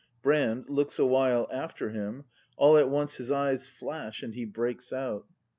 Brand. [Looks a while after him; all at once his eyes flash and he breaks out.